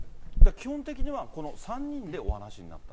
基本的にはこの３人でお話になった？